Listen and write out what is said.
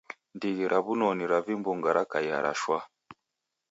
Ndighi ra w'unoni ra vimbunga rakaia ra shwaa